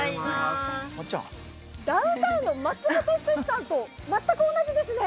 ダウンタウンの松本人志さんと全く同じですね。